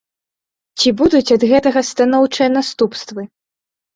Ці будуць ад гэтага станоўчыя наступствы?